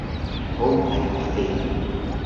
ئەو پایتەختەی